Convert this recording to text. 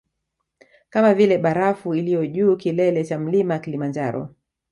Kama vile barafu iliyo juu kilele cha mlima kilimanjaro